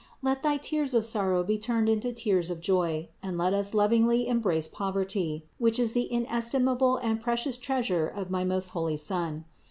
Let thy tears of sorrow be turned into tears of joy, and let us lovingly embrace poverty, which is the inestimable and precious treasure of my most holy Son.